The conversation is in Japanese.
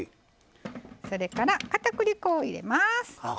それから、かたくり粉を入れます。